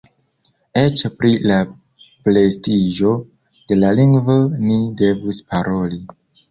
Eĉ pri la prestiĝo de la lingvo ni devus paroli.